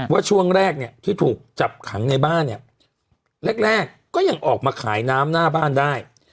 ช่วงแรกเนี่ยที่ถูกจับขังในบ้านเนี่ยแรกก็ยังออกมาขายน้ำหน้าบ้านได้